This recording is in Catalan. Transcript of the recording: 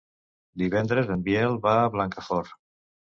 Divendres en Biel va a Blancafort.